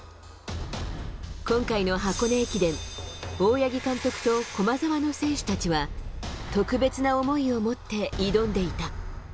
今回の箱根駅伝、大八木監督と駒澤の選手たちは、特別な思いを持って挑んでいた。